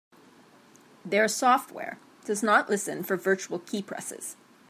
Their software does not listen for virtual keypresses.